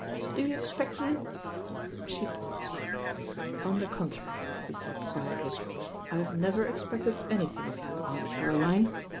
"Do you expect me " she paused. "On the contrary," he said quietly, "I have never expected anything of you. Aunt Caroline.